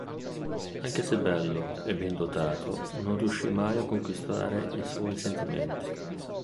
Anche se bello e ben dotato, non riuscì mai a conquistare i suoi sentimenti.